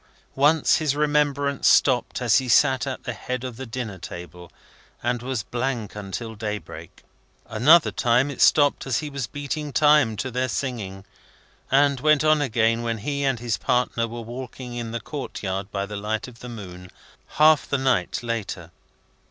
Once, his remembrance stopped as he sat at the head of the dinner table, and was blank until daybreak. Another time, it stopped as he was beating time to their singing, and went on again when he and his partner were walking in the court yard by the light of the moon, half the night later.